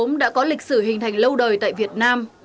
ông đã có lịch sử hình thành lâu đời tại việt nam